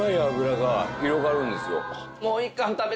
広がるんですよ。